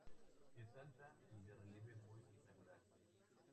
Es alta y de relieve muy irregular.